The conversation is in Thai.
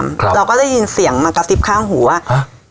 ครับเราก็ได้ยินเสียงมากระซิบข้างหูว่าอ่า